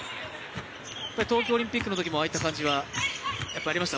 東京オリンピックのときもああいった感じはありました？